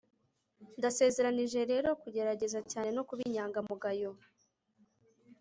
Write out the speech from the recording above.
ndasezeranije rero kugerageza cyane no kuba inyangamugayo